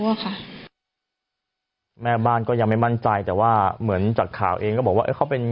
อะค่ะแม่บ้านก็ยังไม่มั่นใจแต่ว่าเหมือนจากข่าวเองก็บอกว่าเออเขาเป็น